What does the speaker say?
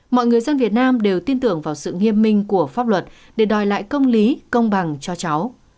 mọi người dân việt nam đều tin tưởng vào sự nghiêm minh của pháp luật để đòi lại công lý công bằng cho cháu